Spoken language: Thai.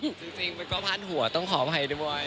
จริงมันก็พาดหัวต้องขออภัยด้วย